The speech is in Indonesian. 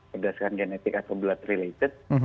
berdasarkan genetik atau blood related